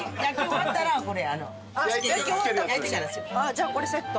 じゃあこれセット。